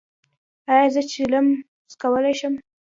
ایا زه چلم څکولی شم؟